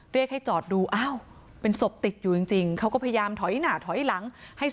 เรียกให้จอดดูเป็นศพติดอยู่จริง